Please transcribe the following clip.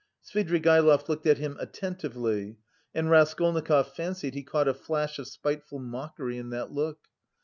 Svidrigaïlov looked at him attentively and Raskolnikov fancied he caught a flash of spiteful mockery in that look.